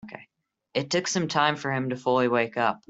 It took some time for him to fully wake up.